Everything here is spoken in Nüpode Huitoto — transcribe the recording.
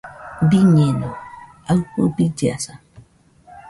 Biñeno aɨfɨ billasa.